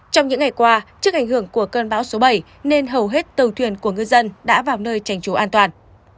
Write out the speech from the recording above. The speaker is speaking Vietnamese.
trong những ngày qua trước ảnh hưởng của cơn bão số bảy nên hầu hết tàu thuyền của ngư dân đã vào nơi trành trú an toàn